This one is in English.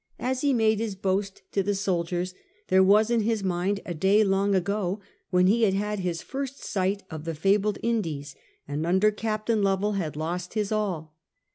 As he made his boast to the soldiers there was in his mind a day long ago, when he had had his first sight of the fabled Indies and under Captain Lovell had lost his all.